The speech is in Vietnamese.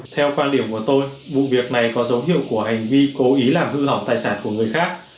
theo quan điểm của tôi vụ việc này có dấu hiệu của hành vi cố ý làm hư hỏng tài sản của người khác